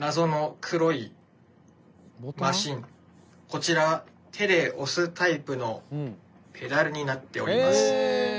こちら手で押すタイプのペダルになっております。